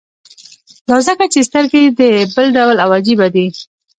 دا ځکه چې سترګې دې بل ډول او عجيبه دي.